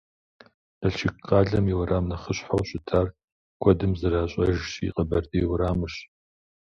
Налшык къалэм и уэрам нэхъыщхьэу щытар, куэдым зэращӏэжщи, Къэбэрдей уэрамырщ.